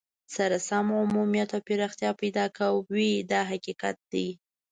سره سم عمومیت او پراختیا پیدا کوي دا حقیقت دی.